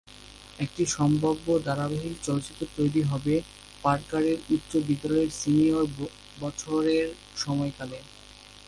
একটি সম্ভাব্য ধারাবাহিক চলচ্চিত্র তৈরি হবে পার্কারের উচ্চ বিদ্যালয়ের সিনিয়র বছরের সময়কালে।